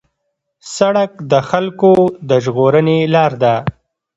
سړک د خلکو د ژغورنې لار ده.